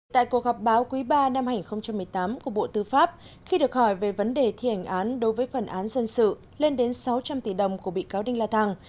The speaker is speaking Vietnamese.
tại cuộc gặp báo quý ba năm hai nghìn một mươi tám của bộ tư pháp khi được hỏi về vấn đề thi hành án đối với phần án dân sự lên đến sáu trăm linh tỷ đồng của bị cáo đinh la thăng